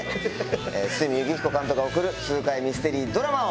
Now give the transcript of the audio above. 堤幸彦監督が送る痛快ミステリードラマを。